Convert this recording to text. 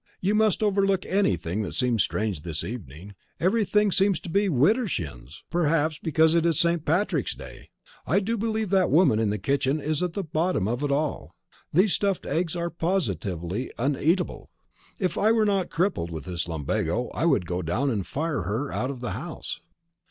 "You must overlook anything that seems strange this evening. Everything seems to be widdershins. Perhaps because it is St. Patrick's Day. I do believe that woman in the kitchen is at the bottom of it all. These stuffed eggs are positively uneatable! If I were not crippled with this lumbago I would go down and fire her out of the house."